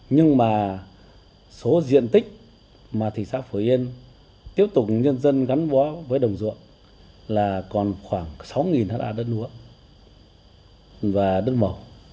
nhưng mà số diện tích mà thị xã phổ yên tiếp tục nhân dân gắn bó với đồng ruộng là còn khoảng sáu ha đất ruộng và đất màu